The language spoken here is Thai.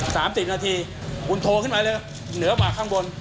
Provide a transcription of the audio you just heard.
สามสิบนาทีคุณโทรขึ้นมาเลยเหนือปากข้างบน